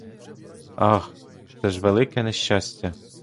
Ах, це ж велике нещастя!